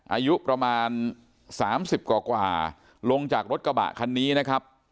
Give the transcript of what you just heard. อายุประมาณ๓๐กว่าลงจากรถกระบะคันนี้นะครับ